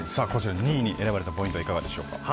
２位に選ばれたポイントはいかがでしょうか。